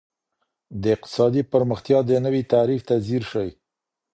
د اقتصادي پرمختیا دې نوي تعریف ته ځیر شئ.